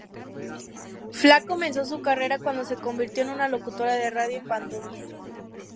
Fla comenzó su carrera cuando se convirtió en una locutora de radio en Bandung.